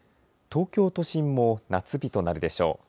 東京都心も夏日となるでしょう。